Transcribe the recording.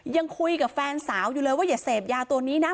ยังคุยกับแฟนสาวอยู่เลยว่าอย่าเสพยาตัวนี้นะ